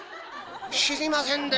知りませんでしたね。